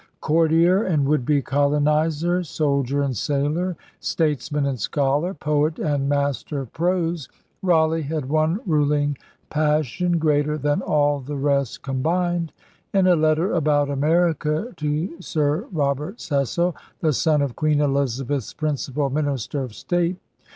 Courtier and would be colonizer, soldier and sailor, statesman and scholar, poet and master of prose, Raleigh had one ruling passion greater than all the rest combined. In a letter about America to Sir Robert Cecil, the son of Queen Elizabeth's principal minister of state.